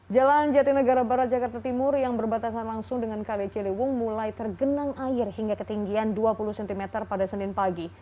jalan jatinegara barat jakarta timur yang berbatasan langsung dengan kali ciliwung mulai tergenang air hingga ketinggian dua puluh cm pada senin pagi